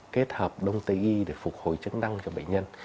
kết hợp đông tây y để phục hồi chức năng cho bệnh nhân